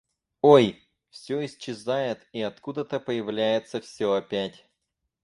Ой! всё исчезает и откуда-то появляется всё опять.